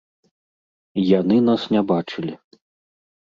Яны нас не бачылі.